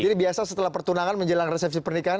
jadi biasa setelah pertunangan menjelang resepsi pernikahan